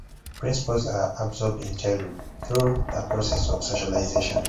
Principles are absorbed in childhood through a process of socialization.